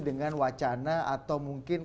dengan wacana atau mungkin